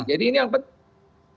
jadi ini yang penting